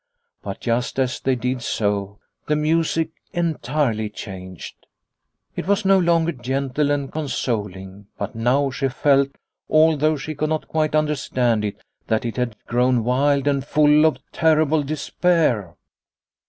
But just as they did so, the music entirely changed. It was no longer gentle and consoling, but now she felt, although she could not quite under stand it, that it had grown wild and full of terrible despair.